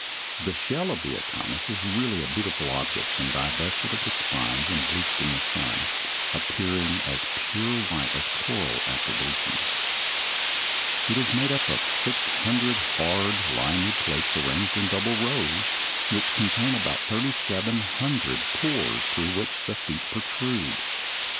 The shell of the Echinus is really a beautiful object when divested of the spines and bleached in the sun, appearing as pure white as coral after bleaching. It is made up of about six hundred hard, limy plates arranged in double rows, which contain about thirty seven hundred pores through which the feet protrude.